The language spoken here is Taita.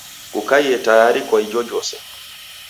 Kukaie tayari kwa ijojose.